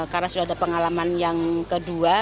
karena sudah ada pengalaman yang kedua